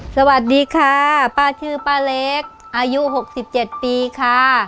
สวัสดีค่ะป้าชื่อป้าเล็กอายุ๖๗ปีค่ะ